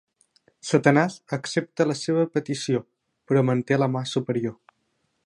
Satanàs accepta la seva petició, però manté la mà superior.